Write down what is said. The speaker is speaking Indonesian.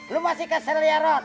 lu masih kesel ya rod